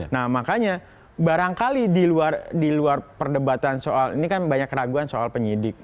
nah makanya barangkali di luar perdebatan soal ini kan banyak keraguan soal penyidik